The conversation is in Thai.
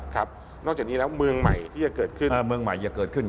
ครับนอกจากนี้มาก็มีเมืองใหม่ที่จะเกิดขึ้น